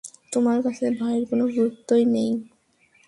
তোমার কাছে ভাইয়ের কোনো গুরুত্বই নেই।